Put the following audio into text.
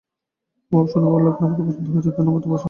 Wow, শুনে ভালো লাগলো আমার পছন্দ হয়েছে ধন্যবাদ বাবা সবাই কোথায়?